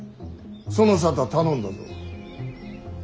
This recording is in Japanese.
その沙汰頼んだぞ。